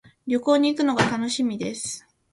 旅行に行くのが楽しみです。